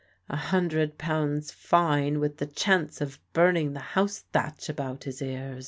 A hundred pounds fine with the chance of burning the house thatch about his ears!